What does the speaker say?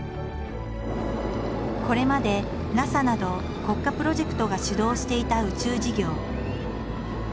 これまでＮＡＳＡなど国家プロジェクトが主導していた宇宙事業。